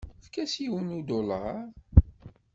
Efk-as yiwen udulaṛ.